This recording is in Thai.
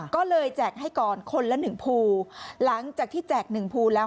คนละหนึ่งภูร์หลังจากที่แจกหนึ่งภูร์แล้ว